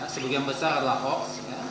sebagian besar adalah hoax